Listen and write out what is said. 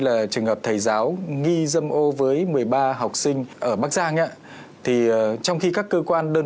là trường hợp thầy giáo nghi dâm ô với một mươi ba học sinh ở bắc giang thì trong khi các cơ quan đơn